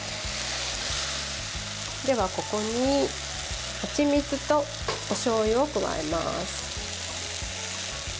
ではここに、はちみつとおしょうゆを加えます。